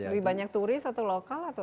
lebih banyak turis atau lokal atau